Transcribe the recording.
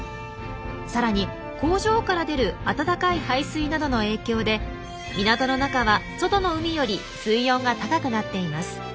さらに工場から出る温かい排水などの影響で港の中は外の海より水温が高くなっています。